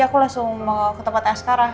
aku langsung mau ke tempat askara